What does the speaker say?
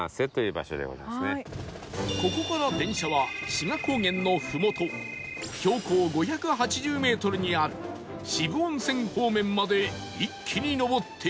ここから電車は志賀高原のふもと標高５８０メートルにある渋温泉方面まで一気に上っていく